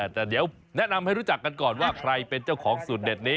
แต่เดี๋ยวแนะนำให้รู้จักกันก่อนว่าใครเป็นเจ้าของสูตรเด็ดนี้